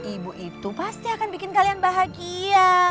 ibu itu pasti akan bikin kalian bahagia